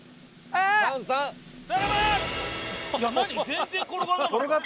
全然転がらなかった。